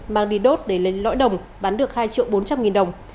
mang đi đốt để lên lõi đồng bán được hai triệu bốn trăm linh nghìn đồng